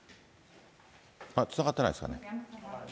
つながってないですかね。